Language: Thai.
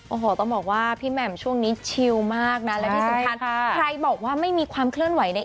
โอ้โหต้องบอกว่าพี่แหม่มช่วงนี้ชิลมากนะและที่สำคัญใครบอกว่าไม่มีความเคลื่อนไหวเนี่ย